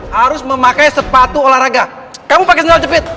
harus memakai sepatu olahraga kamu pakai sendal jepit